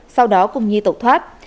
sau đó cùng nhi tẩu thoát